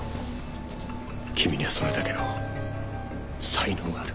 君にはそれだけの才能がある。